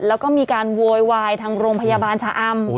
แล้วก็มีการโวยวายทางโรงพยาบาลชะอำ